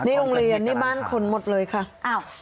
นี่โรงเรียนนี่บ้านคนหมดเลยค่ะ